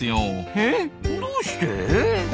えっどうして？